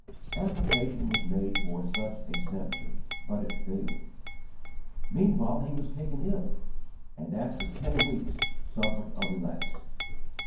Application was made for such exemption, but it failed. Meanwhile he was taken ill, and after ten weeks suffered a relapse.